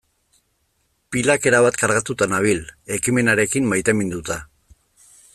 Pilak erabat kargatuta nabil, ekimenarekin maiteminduta.